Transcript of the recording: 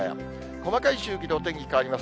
細かい周期でお天気変わります。